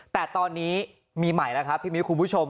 แต่ตอนนี้มีใหม่แล้วครับพี่มิ้วคุณผู้ชม